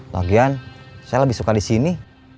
lagian saya lebih suka disini